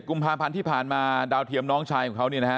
กุมภาพันธ์ที่ผ่านมาดาวเทียมน้องชายของเขาเนี่ยนะฮะ